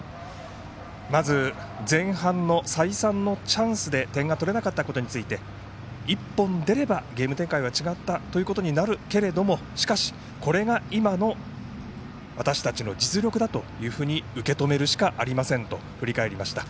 まず、前半の再三のチャンスで点が取れなかったことについて一本が出ればゲーム展開は違ったということになるけれどもしかし、これが今の私たちの実力だと受け止めるしかありませんと振り返りました。